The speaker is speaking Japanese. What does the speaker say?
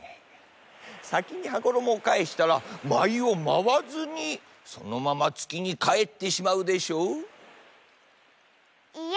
さきに羽衣をかえしたらまいをまわずにそのままつきにかえってしまうでしょう？